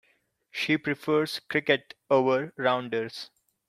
She prefers cricket over rounders.